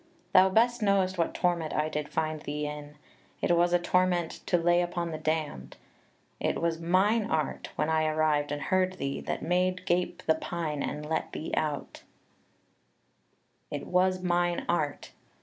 Thou best know'st What torment I did find thee in, .. it was a torment To lay upon the damn'd ..// was mine art, When I arrived and heard thee, that made gape The pine and let thee out. "" It was mine art